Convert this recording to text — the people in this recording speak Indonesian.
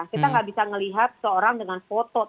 kita nggak bisa melihat seorang dengan foto